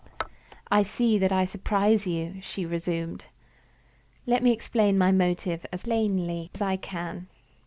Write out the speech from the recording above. "I see that I surprise you," she resumed. "Let me explain my motive as plainly as I can.